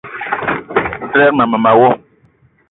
Lerma mema wo.